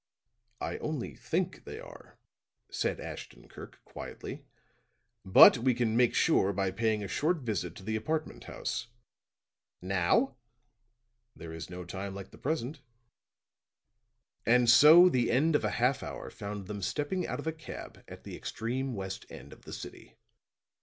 "I only think they are," said Ashton Kirk quietly. "But we can make sure by paying a short visit to the apartment house." "Now?" "There is no time like the present." And so the end of a half hour found them stepping out of a cab at the extreme west end of the city.